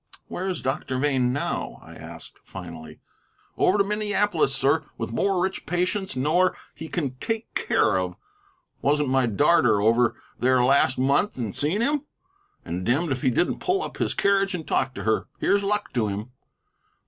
"Where is Doctor Vane now?" I asked finally. "Over to Minneapolis, sir, with more rich patients nor he can take care of. Wasn't my darter over there last month, and seen him? And demned if he didn't pull up his carriage and talk to her. Here's luck to him."